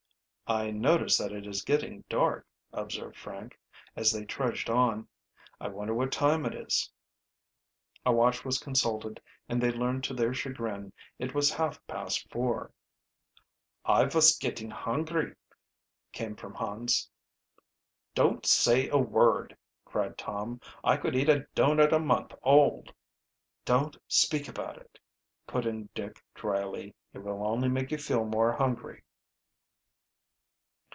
"I notice that it is getting dark," observed Frank, as they trudged on. "I wonder what time it is?" A watch was consulted and they learned to their chagrin that it was half past four. "I vos gitting hungry," came from Hans. "Don't say a word!" cried Tom. "I could eat a doughnut a month old." "Don't speak about it," put in Dick dryly. "It will only make you feel more hungry."